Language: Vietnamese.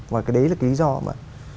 và cái đấy là cái lý do mà